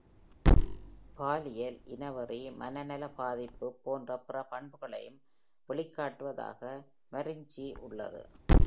பாலியல், இனவெறி, மனநல பாதிப்பு போன்ற பிற பண்புகளையும் வெளிக்காட்டுவதாக Marenghi உள்ளது.